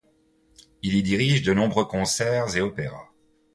Il y dirige de nombreux concerts et opéras.